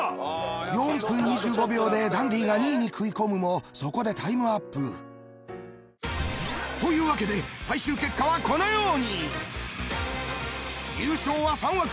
４分２５秒でダンディが２位に食い込むもそこでタイムアップ。というわけで最終結果はこのように。